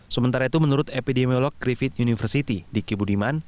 sementara itu menurut epidemiolog griffith university di kibudiman